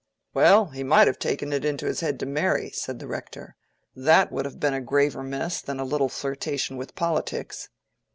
"Well, he might have taken it into his head to marry," said the Rector. "That would have been a graver mess than a little flirtation with politics."